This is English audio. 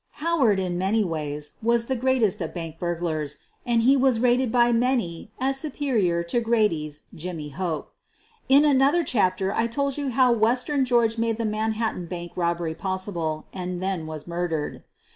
Howard, in many ways, was thf greatest of bank burglars, and he was rated bj many as superior to Grady's Jimmy Hope. In an other chapter I told you how "Western George" made the Manhattan Bank robbery possible and then was murdered.